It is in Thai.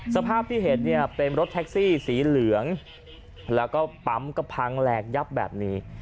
สภาพที่เห็นเนี่ยเป็นรถแท็กซี่สีเหลืองแล้วก็ปั๊มก็พังแหลกยับแบบนี้